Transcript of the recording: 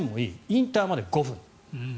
インターまで５分。